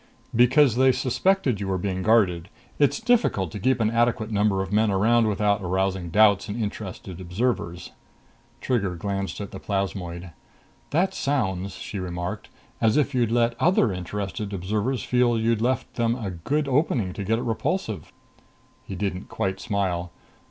"Because they suspected you were being guarded. It's difficult to keep an adequate number of men around without arousing doubts in interested observers." Trigger glanced at the plasmoid. "That sounds," she remarked, "as if you'd let other interested observers feel you'd left them a good opening to get at Repulsive." He didn't quite smile.